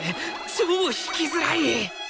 超弾きづらい！